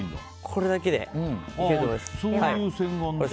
これだけで行けると思います。